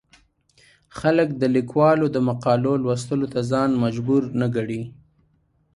خلک د ليکوالو د مقالو لوستلو ته ځان مجبور نه ګڼي.